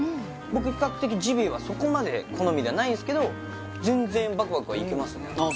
僕比較的ジビエはそこまで好みではないんすけど全然バクバクはいけますねああ